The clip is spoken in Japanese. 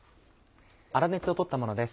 粗熱を取ったものです。